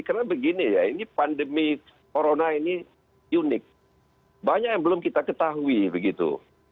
karena begini ya ini pandemi corona ini unik banyak yang belum kita ketahui begitu